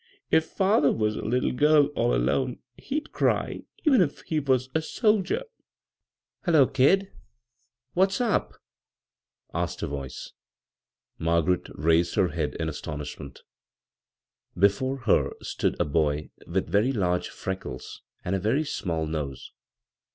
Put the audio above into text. " If father was a little girl all alcme he'd cry even if he was a soldier I "" Hullo, kid I What's up ?'* asked a voice. Margaret raised her head in astxmishnieDt Before her stood a boy with very large freckles and a very small nose.